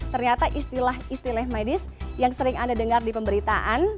ternyata istilah istilah medis yang sering anda dengar di pemberitaan